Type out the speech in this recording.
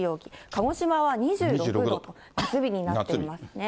鹿児島は２６度と、夏日になっていますね。